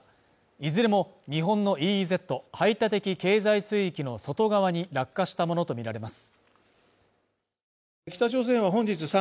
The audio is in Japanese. いずれも日本のＥＥＺ＝排他的経済水域の外側に落下したものとみられます。